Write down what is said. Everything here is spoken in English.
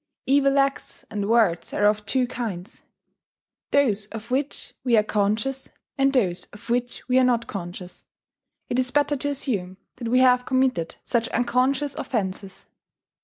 Evil acts and words are of two kinds: those of which we are conscious, and those of which we are not conscious .... It is better to assume that we have committed such unconscious offences."